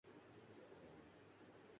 اسکی تحریر میں شیرینی اور سلاست ہے